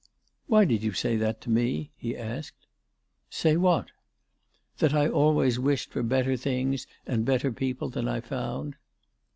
" Why did you say that to me ?" he asked. " Say what ?"" That I always wished for better things and better people than I found."